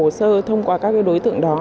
các đối tượng có thể thông qua các đối tượng đó